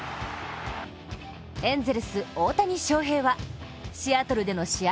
エンゼルス・大谷翔平はシアトルでの試合